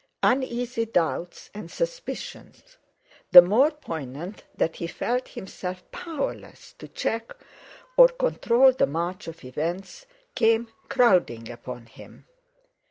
Uneasy doubts and suspicions, the more poignant that he felt himself powerless to check or control the march of events, came crowding upon him.